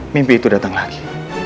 mimpi itu datang lagi